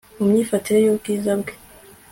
Mu myifatire yubwiza bwe